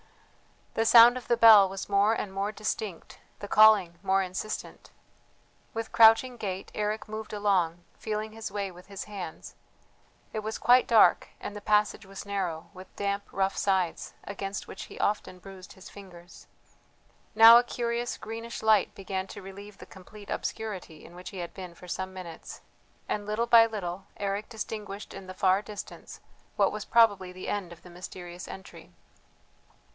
The sound of the bell was more and more distinct, the calling more insistent. With crouching gait Eric moved along, feeling his way with his hands; it was quite dark, and the passage was narrow, with damp rough sides, against which he often bruised his fingers. Now a curious greenish light began to relieve the complete obscurity in which he had been for some minutes, and little by little Eric distinguished in the far distance what was probably the end of the mysterious entry.